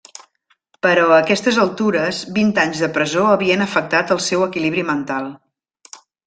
Però a aquestes altures vint anys de presó havien afectat el seu equilibri mental.